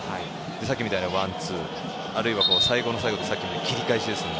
さっきみたいなワンツーあるいは、最後の最後で切り返し。